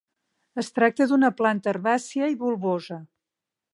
Es tracta d'una planta herbàcia i bulbosa.